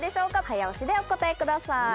早押しでお答えください。